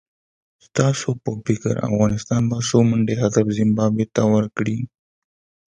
ستاسو په فکر افغانستان به څو منډي هدف زیمبابوې ته ورکړي؟